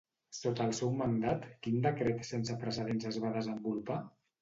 Sota el seu mandat, quin decret sense precedents es va desenvolupar?